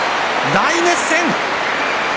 大熱戦！